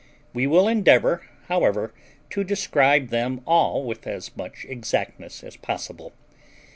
We will endeavour, however, to describe them all with as much exactness as possible.